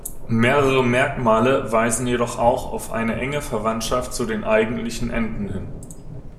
Mehrere Merkmale weisen jedoch auch auf eine enge Verwandtschaft zu den Eigentlichen Enten hin.